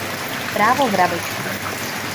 Bravo, vrabečku!